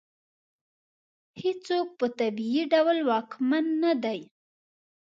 هېڅوک په طبیعي ډول واکمن نه دی.